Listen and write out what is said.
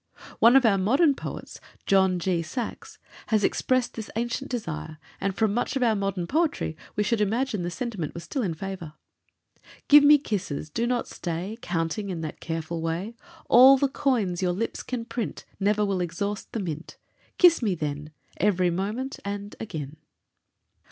One of our modern poets, John G. Saxe, has expressed this ancient desire, and from much of our modern poetry we should imagine the sentiment was still in favor: Give me kisses—do not stay Counting in that careful way; All the coins your lips can print Never will exhaust the mint. Kiss me, then, Every moment—and again.